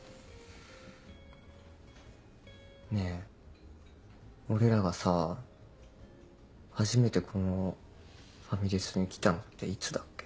ねぇ俺らがさ初めてこのファミレスに来たのっていつだっけ？